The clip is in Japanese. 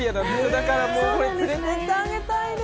だから連れて行ってあげたいです。